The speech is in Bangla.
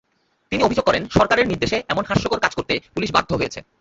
তিনি অভিযোগ করেন, সরকারের নির্দেশে এমন হাস্যকর কাজ করতে পুলিশ বাধ্য হয়েছে।